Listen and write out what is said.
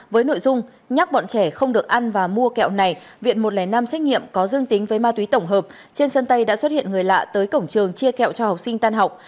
với nội dung nhắc bọn trẻ không được ăn và mua kẹo này viện một trăm linh năm xét nghiệm có dương tính với ma túy tổng hợp trên sân tay đã xuất hiện người lạ tới cổng trường chia kẹo cho học sinh tan học